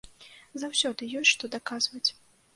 Заўсёды ёсць што даказваць.